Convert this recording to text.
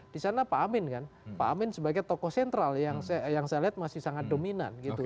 di sana pak amin kan pak amin sebagai tokoh sentral yang saya lihat masih sangat dominan gitu ya